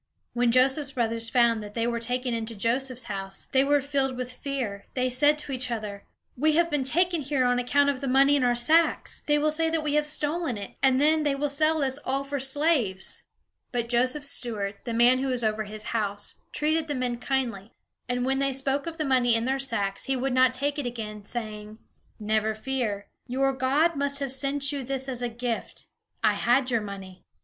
When Joseph's brothers found that they were taken into Joseph's house, they were filled with fear. They said to each other: "We have been taken here on account of the money in our sacks. They will say that we have stolen it, and then they will sell us all for slaves." But Joseph's steward, the man who was over his house, treated the men kindly; and when they spoke of the money in their sacks, he would not take it again, saying: "Never fear; your God must have sent you this as a gift. I had your money."